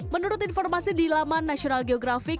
menurut informasi di laman national geographic